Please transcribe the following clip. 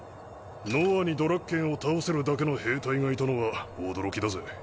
ノアにドラッケンを倒せるだけの兵隊がいたのは驚きだぜ。